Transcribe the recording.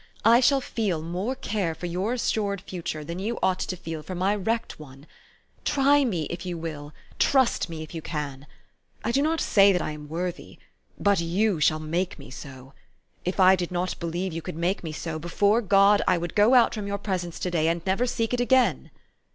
I shall feel more care for your assured future than you ought to feel for my wrecked one. Try me if you will ; trust me if you can. I do not say that I am worthy. But you shall make me so. If I did not believe you could make me so, before God, I would go out from your presence to day, and never seek it again."